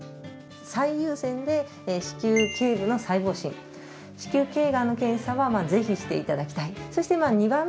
子宮けい部の細胞診子宮けいがんの検査はぜひしていただきたい。